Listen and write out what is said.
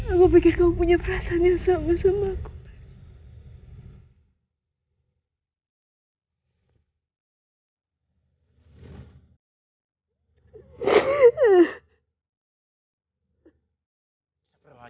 aku pikir kau punya perasaan yang sama sama kok